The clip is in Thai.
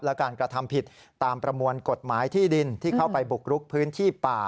และการกระทำผิดตามประมวลกฎหมายที่ดินที่เข้าไปบุกรุกพื้นที่ป่า